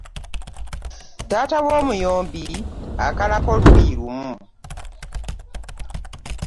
Taaba w'omuyombi akalako luuyi lumu .